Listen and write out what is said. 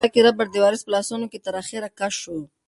د غولکې ربړ د وارث په لاسونو کې تر اخره کش شو.